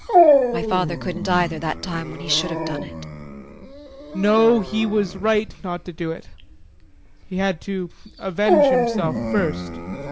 My father couldn't either that time when he should have done it. JEAN. No, he was right, not to do it he had to avenge himself first.